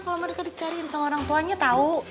kalo mereka dicariin sama orang tuanya tau